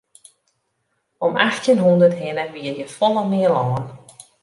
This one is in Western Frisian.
Om achttjin hûndert hinne wie hjir folle mear lân.